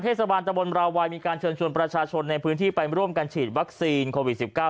เทศบาลตะบนราวัยมีการเชิญชวนประชาชนในพื้นที่ไปร่วมกันฉีดวัคซีนโควิด๑๙